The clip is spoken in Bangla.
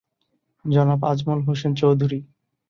জনাব আজমল হোসেন চৌধুরী।